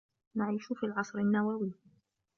نعيش في العصر النووي.